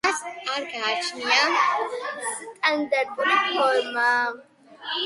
მას არ გააჩნია სტანდარტული ფორმა.